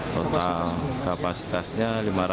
total kapasitasnya lima ratus enam puluh